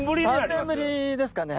３年ぶりですかね。